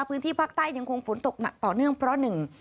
พื้นที่ภาคใต้ยังคงฝนตกหนักต่อเนื่องเพราะหนึ่ง